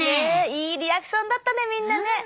いいリアクションだったねみんなね！